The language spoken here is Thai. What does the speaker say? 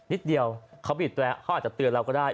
นิดเดียวเขาบีดตัวแล้วเขาอาจจะเตือนเราก็ได้